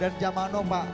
dan jamanu pak